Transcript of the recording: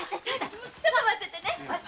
ちょっと待っててね。